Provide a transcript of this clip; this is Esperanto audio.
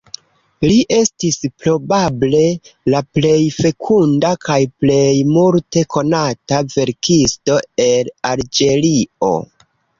Li estis probable la plej fekunda kaj plej multe konata verkisto el Alĝerio.